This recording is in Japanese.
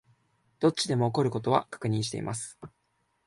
どっちでも起こる事は確認しています